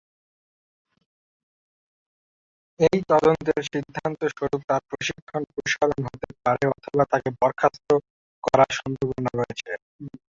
এই তদন্তের সিদ্ধান্ত স্বরূপ তার প্রশিক্ষণ প্রসারণ হতে পারে অথবা তাকে বরখাস্ত করা সম্ভাবনা রয়েছে।